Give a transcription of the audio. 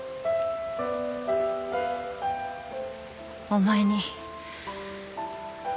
お前に。